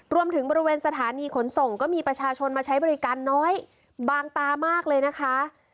รวมถึงบริเวณสถานีขนส่งก็มีประชาชนมาใช้บริการน้อยบางตามากเลยนะคะ